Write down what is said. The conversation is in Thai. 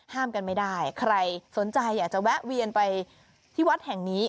ห้ามกันไม่ได้ใครสนใจอยากจะแวะเวียนไปที่วัดแห่งนี้